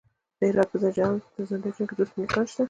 د هرات په زنده جان کې د وسپنې کان شته.